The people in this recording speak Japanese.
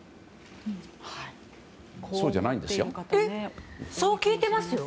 そうじゃないんですよ。